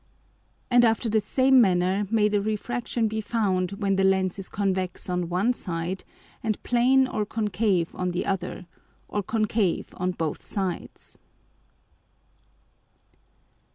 And after the same manner may the Refraction be found when the Lens is convex on one side and plane or concave on the other, or concave on both sides.